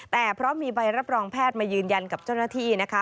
แต่เพราะมีใบรับรองแพทย์มายืนยันกับเจ้าหน้าที่นะคะ